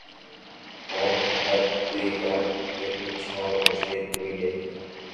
کون اب دے گا گھنی چھاؤں مُجھے، کوئی نہیں